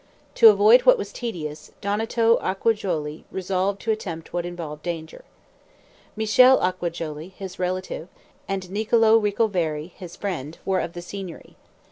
To avoid what was tedious, Donato Acciajuoli resolved to attempt what involved danger. Michele Acciajuoli his relative, and Niccolo Ricoveri his friend, were of the Signory.